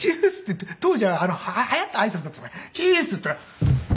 当時流行った挨拶だったんで「チース」って言ったら。